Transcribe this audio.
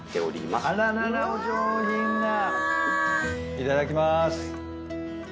いただきまーす。